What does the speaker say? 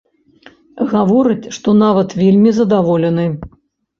Гаворыць, што нават вельмі задаволены.